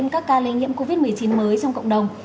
các ca lây nhiễm covid một mươi chín mới trong cộng đồng